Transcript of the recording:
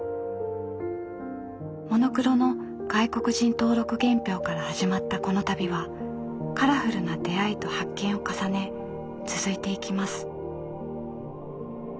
モノクロの外国人登録原票から始まったこの旅はカラフルな出会いと発見を重ね続いていきます。